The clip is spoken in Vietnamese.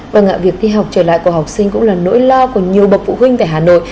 vâng ạ việc thi học trở lại của học sinh cũng là nỗi lo của nhiều bậc phụ huynh tại hà nội